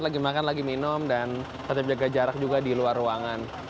lagi makan lagi minum dan tetap jaga jarak juga di luar ruangan